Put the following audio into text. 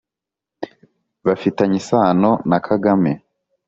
bafitanye isano na Kagame